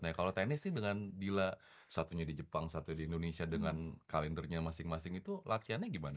nah kalau tenis sih dengan dila satunya di jepang satunya di indonesia dengan kalendernya masing masing itu latihannya gimana